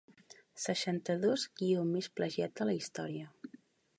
Seixanta-dos guió més plagiat de la història.